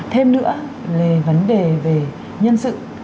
thêm nữa là vấn đề về nhân sự